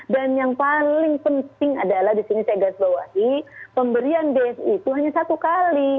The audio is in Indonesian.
dan yang paling penting adalah di sini saya gas bawahi pemberian bsu itu hanya satu kali